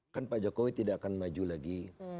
kan pak jokowi tidak akan maju lagi